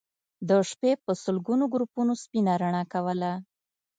د شپې به سلګونو ګروپونو سپينه رڼا کوله